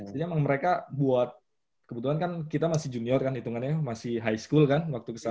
jadi emang mereka buat kebetulan kan kita masih junior kan hitungannya masih high school kan waktu ke sana